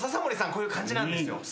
こういう感じなんですよ。